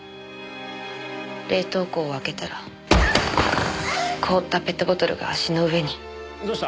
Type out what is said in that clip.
冷凍庫を開けたら凍ったペットボトルが足の上に。